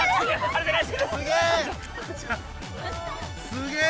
すげえ！